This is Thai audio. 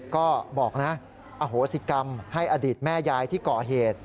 ก็บอกนะอโหสิกรรมให้อดีตแม่ยายที่ก่อเหตุ